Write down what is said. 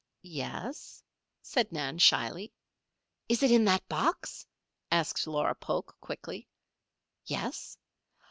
"Yes," said Nan, shyly. "Is it in that box?" asked Laura Polk, quickly. "Yes."